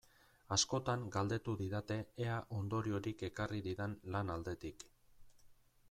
Askotan galdetu didate ea ondoriorik ekarri didan lan aldetik.